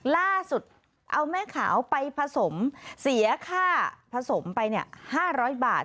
ล่าสุดเอาแม่ขาวไปผสมเสียค่าผสมไป๕๐๐บาท